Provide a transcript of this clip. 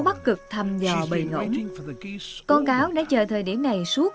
bây ngỗng phòng thủ rất kiên cường